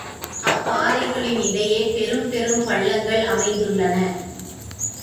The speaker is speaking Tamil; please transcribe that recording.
அப்பாறைகளினிடையே பெரும்பெரும் பள்ளங்கள் அமைந்துள்ளன.